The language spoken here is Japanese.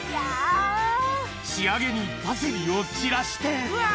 仕上げにパセリを散らしてうわ